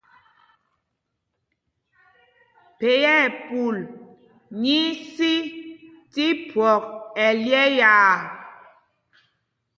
Phē ɛpul nyí í sī tí phwɔk ɛlyɛ̄ɛ̄â.